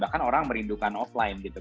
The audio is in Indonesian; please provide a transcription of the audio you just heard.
bahkan orang merindukan offline